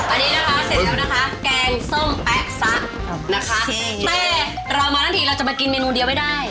อันนี้นะคะเสร็จแล้วนะคะแกงส้มแป๊ะซะนะคะแต่เรามาทั้งทีเราจะมากินเมนูเดียวไม่ได้